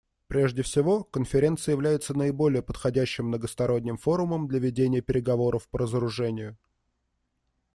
Прежде всего, Конференция является наиболее подходящим многосторонним форумом для ведения переговоров по разоружению.